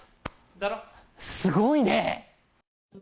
すごいね。